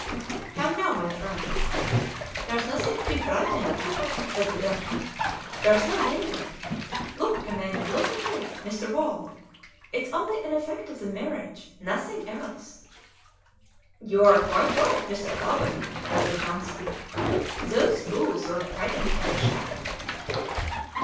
"How now, my friends? There's nothing to be frightened at!" said the doctor. "There's no danger! Look, commander, look ahead, Mr. Wall; it's only an effect of the mirage, nothing else." "You are quite right, Mr. Clawbonny," answered Johnson; "those fools were frightened at a shadow."